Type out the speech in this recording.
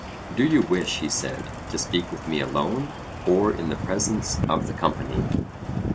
Do you wish, he said, to speak with me alone, or in the presence of the company?